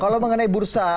kalau mengenai bursa